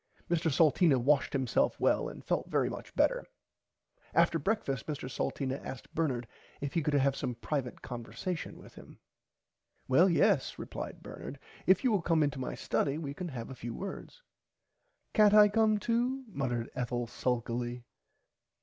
Mr Salteena washed himself well and felt very much better. After brekfast Mr Salteena asked Bernard if he could have some privite conversation with him. Well yes replied Bernard if you will come into my study we can have a few words. Cant I come too muttered Ethel sulkily.